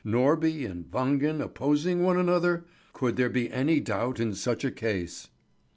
Norby and Wangen opposing one another? Could there be any doubt in such a case?